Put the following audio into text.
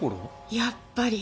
やっぱり。